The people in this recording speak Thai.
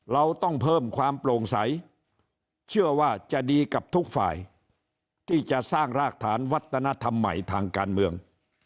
เราต้องเพิ่มความโปร่งใสเชื่อว่าจะดีกับทุกฝ่ายที่จะสร้างรากฐานวัฒนธรรมใหม่ทางการเมือง